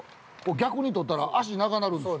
逆に撮ったら脚、長なるんですよ。